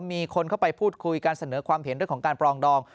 มีคนเข้าไปพูดคุยการเสนอความเห็นเรื่องของการปรองดอง